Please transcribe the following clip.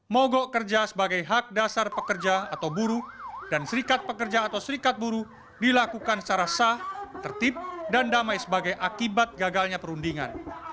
mogok kerja sebagai hak dasar pekerja atau buru dan serikat pekerja atau serikat buru dilakukan secara sah tertib dan damai sebagai akibat gagalnya perundingan